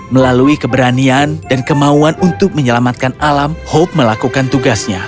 melalui keberanian dan kemauan untuk menyelamatkan alam hope melakukan tugasnya